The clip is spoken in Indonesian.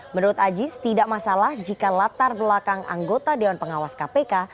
menurut aziz tidak masalah jika latar belakang anggota dewan pengawas kpk